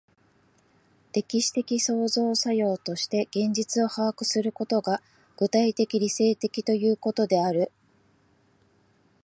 歴史的創造作用として現実を把握することが、具体的理性的ということである。